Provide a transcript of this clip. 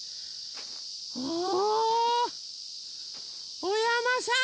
おお！おやまさん